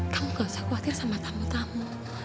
kamu gak usah khawatir sama tamu tamu